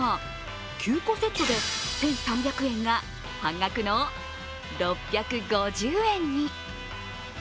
９個セットで１３００円が半額の６５０円に。